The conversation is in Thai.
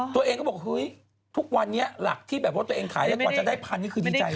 ตัวเองก็บอกเฮ้ยทุกวันนี้หลักที่แบบว่าตัวเองขายได้กว่าจะได้พันนี่คือดีใจ